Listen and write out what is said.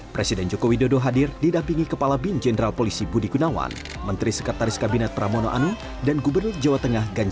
presiden joko widodo hadir didampingi kepala bin jenderal polisi budi gunawan menteri sekretaris kabinet pramono anung dan gubernur jawa tengah ganjar